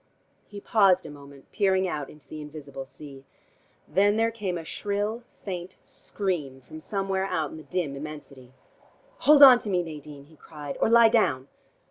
He paused a moment, peering out into the invisible sea. Then there came a shrill faint scream from somewhere out in the dim immensity. "Hold on to me, Nadine," he cried. "Or lie down."